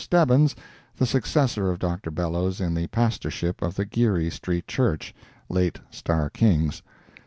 Stebbins, the successor of Dr. Bellows in the Pastorship of the Geary Street Church, (late Starr King's.)